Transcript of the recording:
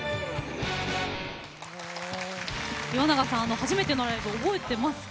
初めてのライブ覚えてますか？